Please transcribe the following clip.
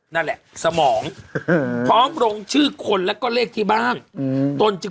นั่นแหละสมองพร้อมลงชื่อคนแล้วก็เลขที่บ้านตนจึง